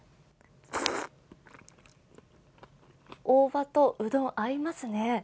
大葉とうどん、合いますね。